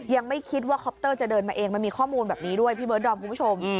ยังไม่คิดว่าคอปเตอร์จะเดินมาเองมันมีข้อมูลแบบนี้ด้วยพี่เบิร์ดดอมคุณผู้ชม